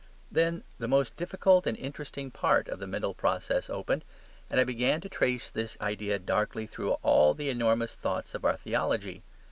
Then the most difficult and interesting part of the mental process opened, and I began to trace this idea darkly through all the enormous thoughts of our theology.